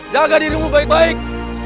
jaga dirimu baik baik